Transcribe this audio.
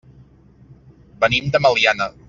Venim de Meliana.